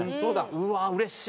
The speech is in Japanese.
うわっうれしい！